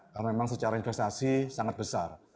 karena memang secara investasi sangat besar